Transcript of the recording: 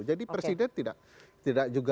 jadi presiden tidak juga